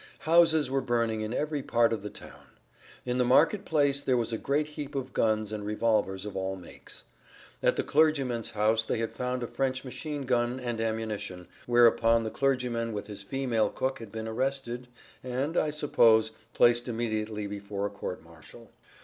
Houses were burning in every part of the town. In the market place there was a great heap of guns and revolvers of all makes. At the clergyman's house they had found a French machine gun and ammunition, whereupon the clergyman and his female cook had been arrested and, I suppose, placed immediately before a court martial.